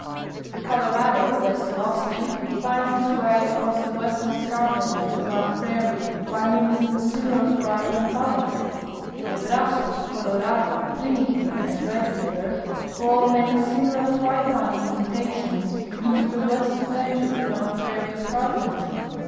The Colorado, west of Austin, finds its way across the western escarpment of the Grand Prairie by means of a similar fry ])an yalle3^ The Brazos, Colorado, Trinity, and Red river all make similar fry pan indentations into the west ern edge of the Grand Prairie escarpment.